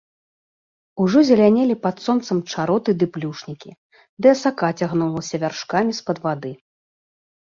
Ужо зелянелі пад сонцам чароты ды плюшнікі, ды асака цягнулася вяршкамі з-пад вады.